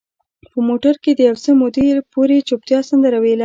په موټر کې د یو څه مودې پورې چوپتیا سندره ویله.